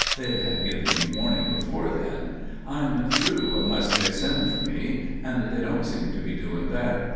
They had given me warning before then. I'm through unless they send for me, and they don't seem to be doing that.